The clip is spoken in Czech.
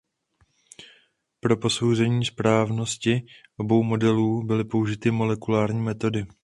Pro posouzení správnosti obou modelů byly použity molekulární metody.